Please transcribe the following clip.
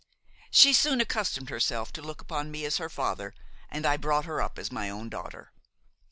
She soon accustomed herself to look upon me as her father and I brought her up as my own daughter.